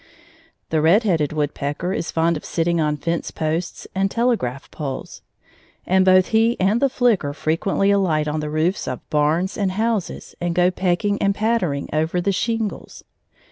The red headed woodpecker is fond of sitting on fence posts and telegraph poles; and both he and the flicker frequently alight on the roofs of barns and houses and go pecking and pattering over the shingles.